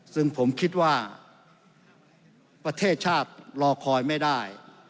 ซึ่งผมคิดว่าประเทศชาติรอคอยไม่ได้